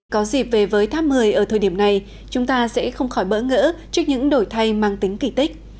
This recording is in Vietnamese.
có dịp về với tháp một mươi ở thời điểm này chúng ta sẽ không khỏi bỡ ngỡ trước những đổi thay mang tính kỳ tích